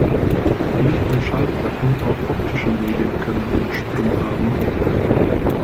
Nicht nur Schallplatten, auch optische Medien können einen Sprung haben.